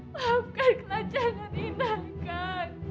maafkan saya jangan inah kang